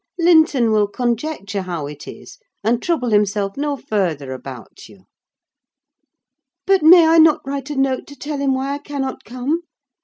Linton will conjecture how it is, and trouble himself no further about you." "But may I not write a note to tell him why I cannot come?"